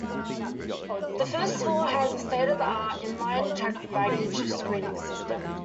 The first floor has a state-of-the-art inline checked baggage screening system.